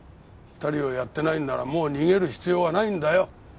２人をやってないんならもう逃げる必要はないんだよ。